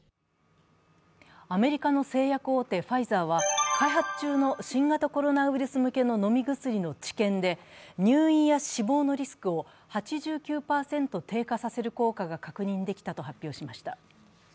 アメリカの製薬大手ファイザーは開発中の新型コロナウイルス向けの飲み薬の治験で入院や死亡のリスクを８９％低下させる効果が確認できたと発表しました。